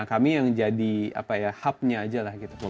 nah kami yang jadi hub nya aja lah gitu